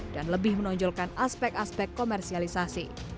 dan lebih menonjolkan aspek aspek komersialisasi